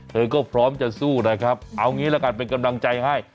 เธอก็พร้อมจะสู้นะครับเอางี้ละกันเป็นกำลังใจให้